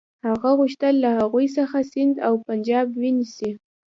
هغه غوښتل له هغوی څخه سند او پنجاب ونیسي.